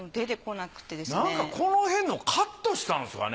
なんかこのへんのカットしたんすかね？